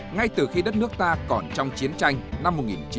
ngay từ khi đất nước ta còn trong chiến tranh năm một nghìn chín trăm sáu mươi chín